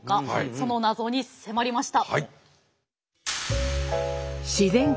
その謎に迫りました。